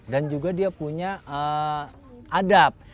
dan juga dia punya adab